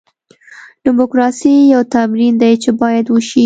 ډیموکراسي یو تمرین دی چې باید وشي.